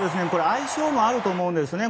相性もあると思うんですね。